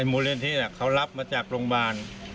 วุรินทิเขารับจากโรงบาล